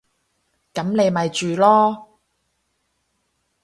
噉你咪住囉